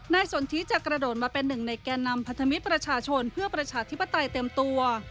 สนทิจะกระโดดมาเป็นหนึ่งในแก่นำพันธมิตรประชาชนเพื่อประชาธิปไตยเต็มตัว